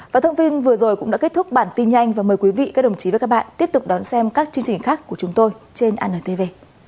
và thông tin vừa rồi cũng đã kết thúc bản tin nhanh và mời quý vị các đồng chí và các bạn tiếp tục đón xem các chương trình khác của chúng tôi trên antv